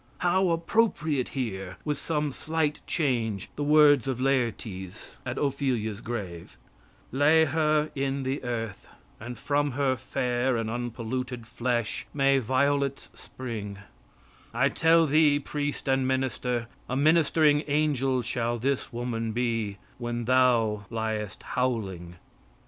How appropriate here, with some slight change, the words of Laertes at Ophelia's grave: Lay her in the earth; And from her fair and unpolluted flesh May violets spring; I tell thee, priest and minister, A ministering angel shall this woman be When thou liest howling.